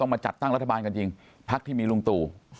ภาคที่ได้ตั้งระทบาลกันจริงพลักษณะที่มีลุงตู่